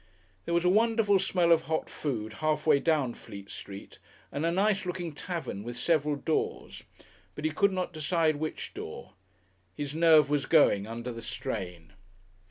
There was a wonderful smell of hot food half way down Fleet Street and a nice looking Tavern with several doors, but he could not decide which door. His nerve was going under the strain.